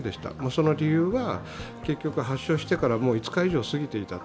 その理由は発症してから５日以上過ぎていた。